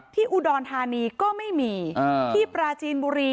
ที่อุดรธานีก็ไม่มีที่ปราจีนบุรี